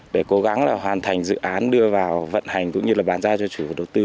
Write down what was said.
để cố gắng là hoàn thành dự án đưa vào vận hành cũng như là bàn giao cho chủ đầu tư